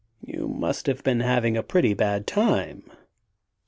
You must have been having a pretty bad time."